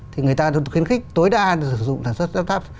thì người ta được khuyến khích tối đa sử dụng sản xuất laptop